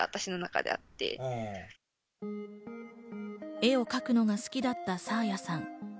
絵を描くのが好きだった爽彩さん。